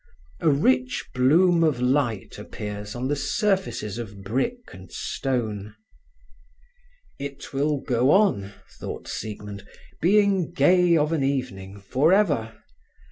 A rich bloom of light appears on the surfaces of brick and stone. "It will go on," thought Siegmund, "being gay of an evening, for ever.